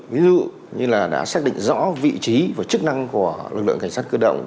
ví dụ như là đã xác định rõ vị trí và chức năng của lực lượng cảnh sát cơ động